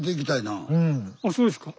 あそうですか？